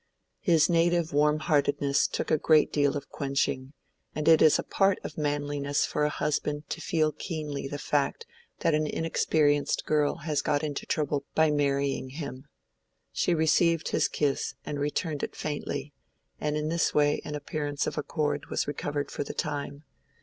His native warm heartedness took a great deal of quenching, and it is a part of manliness for a husband to feel keenly the fact that an inexperienced girl has got into trouble by marrying him. She received his kiss and returned it faintly, and in this way an appearance of accord was recovered for the time.